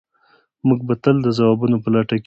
موږ به تل د ځوابونو په لټه کې یو.